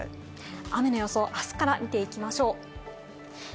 雨の予想、あすから見ていきましょう。